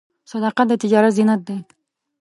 صداقت د تجارت زینت دی.